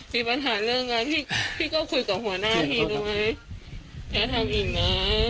พี่มาถ่ายเรื่องงานพี่ก็คุยกับหัวหน้าพี่ดูไหมอย่าทำอีกนะ